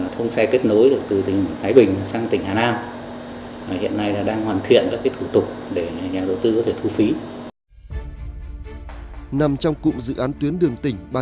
thông xe kết nối được từ tỉnh thái bình sang tỉnh hà nam hiện nay đang hoàn thiện các thủ tục để nhà đầu tư có thể thu phí